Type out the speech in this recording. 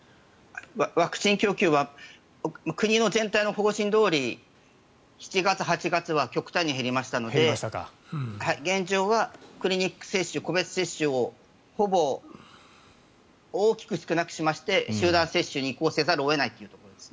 ワクチン供給は国の方針どおり７月８月は極端に減りましたので現実はクリニック接種個別接種をほぼ大きく少なくしまして集団接種に移行せざるを得ないというところです。